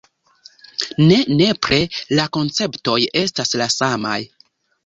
Ne nepre la konceptoj estas la samaj.